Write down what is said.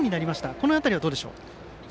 この辺りはどうでしょう？